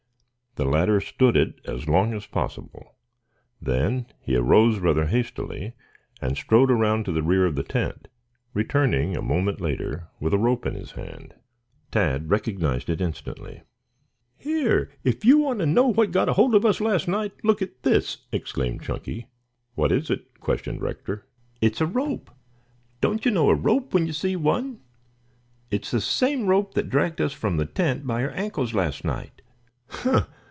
The latter stood it as long as possible. Then he arose rather hastily and strode around to the rear of the tent, returning a moment later with a rope in his hand. Tad recognized it instantly. "Here, if you want to know what got hold of us last night. Look at this!" exclaimed Chunky. "What is it?" questioned Rector. "It's a rope. Don't you know a rope when you see one? It is the same rope that dragged us from the tent by our ankles last night.